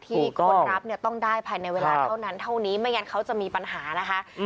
คนรับเนี่ยต้องได้ภายในเวลาเท่านั้นเท่านี้ไม่งั้นเขาจะมีปัญหานะคะ